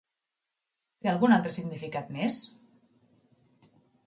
Té algun altre significat més?